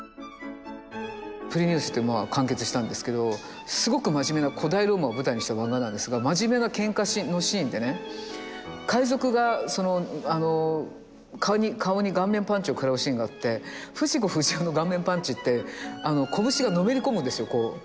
「プリニウス」ってもう完結したんですけどすごく真面目な古代ローマを舞台にした漫画なんですが真面目なけんかのシーンでね海賊が顔に顔面パンチを食らうシーンがあって藤子不二雄の顔面パンチって拳がのめり込むんですよ。